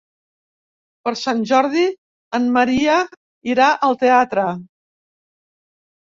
Per Sant Jordi en Maria irà al teatre.